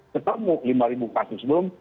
ketemu lima kasus belum